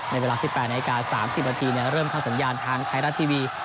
เวลา๑๘นาที๓๐นาทีเริ่มเข้าสัญญาณทางไทยรัฐทีวี